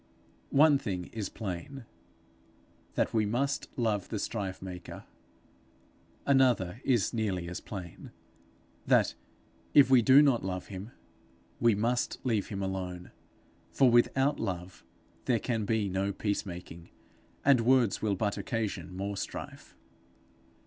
One thing is plain that we must love the strife maker; another is nearly as plain that, if we do not love him, we must leave him alone; for without love there can be no peace making, and words will but occasion more strife.